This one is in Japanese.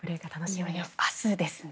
明日ですね。